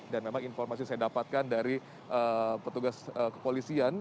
dan memang informasi saya dapatkan dari petugas kepolisian